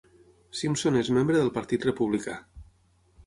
Simpson és membre del Partit Republicà.